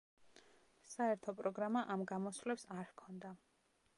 საერთო პროგრამა ამ გამოსვლებს არ ჰქონდა.